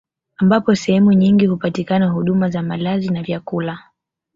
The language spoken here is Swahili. Ambapo sehemu nyingi hupatikana huduma za malazi na vyakula